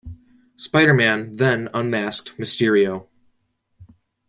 Spider-Man then unmasked Mysterio.